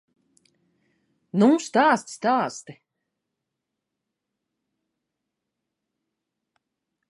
Nu stāsti, stāsti!